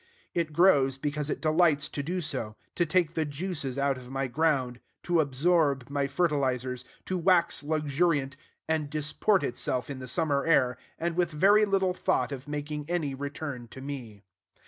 It grows because it delights to do so, to take the juices out of my ground, to absorb my fertilizers, to wax luxuriant, and disport itself in the summer air, and with very little thought of making any return to me.